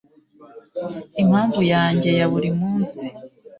Impamvu yanjye ya buri munsi